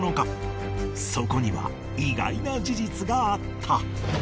そこには意外な事実があった